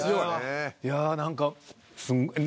いや何か。